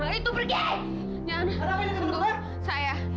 jangan sentuh saya